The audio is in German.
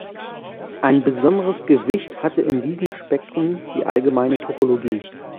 Ein besonderes Gewicht hatte in diesem Spektrum die allgemeine Topologie.